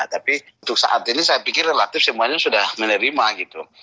tapi untuk saat ini saya pikir relatif semuanya sudah menerima gitu